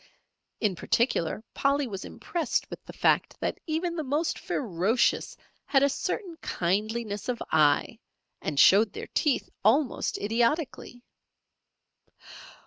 In particular, Polly was impressed with the fact that even the most ferocious had a certain kindliness of eye, and showed their teeth almost idiotically.